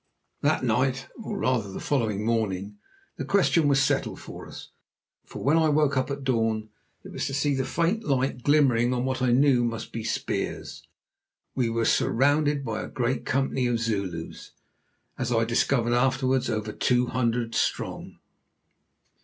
That night, or rather the following morning, the question was settled for us, for when I woke up at dawn, it was to see the faint light glimmering on what I knew must be spears. We were surrounded by a great company of Zulus, as I discovered afterwards, over two hundred strong.